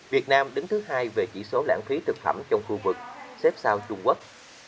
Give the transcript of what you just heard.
việt nam đứng thứ hai về chỉ số lãng phí thực phẩm trong khu vực xếp sau trung quốc